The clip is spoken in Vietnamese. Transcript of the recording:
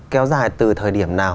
kéo dài từ thời điểm nào